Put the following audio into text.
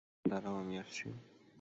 দাঁড়াও, আমি আসছি!